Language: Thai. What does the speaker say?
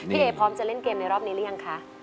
เอพร้อมจะเล่นเกมในรอบนี้หรือยังคะ